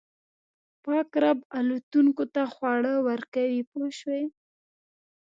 پاک رب الوتونکو ته خواړه ورکوي پوه شوې!.